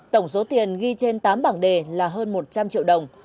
tổng số tiền ghi trên tám bảng đề là hơn một trăm linh triệu đồng